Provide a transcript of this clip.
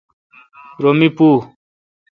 رو می پو۔